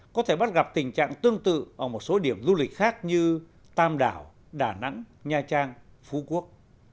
có thể bắt gặp tình trạng tương tự ở một số điểm du lịch khác như tam đảo đà nẵng nha trang phú quốc